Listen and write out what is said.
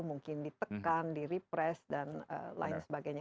mungkin ditekan di repres dan lain sebagainya